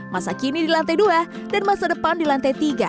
masa kini di lantai dua dan masa depan di lantai tiga